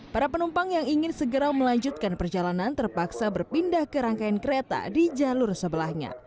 para penumpang yang ingin segera melanjutkan perjalanan terpaksa berpindah ke rangkaian kereta di jalur sebelahnya